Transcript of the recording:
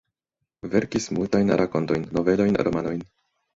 Verkis multajn rakontojn, novelojn, romanojn.